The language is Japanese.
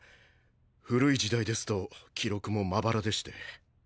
古い時代ですと記録もまばらでして。